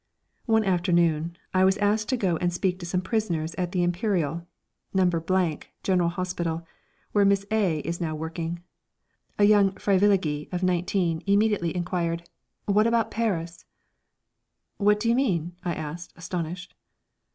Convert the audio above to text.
One afternoon I was asked to go and speak to some prisoners at the Imperial (No. General Hospital), where Miss A is now working. A young "Freiwillige" of 19 immediately inquired: "What about Paris?" "What do you mean?" I asked, astonished.